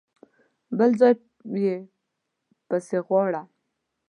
بل ځای يې پسې غواړه!